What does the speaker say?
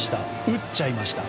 打っちゃいました。